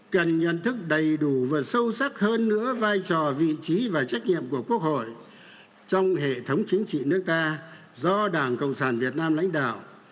cần nhận thức đầy đủ và sâu sắc hơn nữa vai trò vị trí và trách nhiệm của quốc hội trong hệ thống chính trị nước ta do đảng cộng sản việt nam lãnh đạo